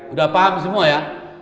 udah paham semua ya